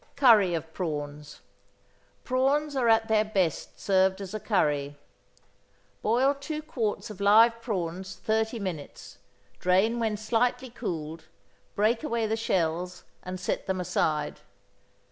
=Curry of Prawns.= Prawns are at their best served as a curry. Boil two quarts of live prawns thirty minutes, drain when slightly cooled, break away the shells, and set them aside.